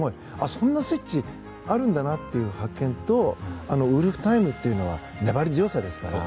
そんなスイッチあるんだなという発見とウルフタイムというのは粘り強さですから。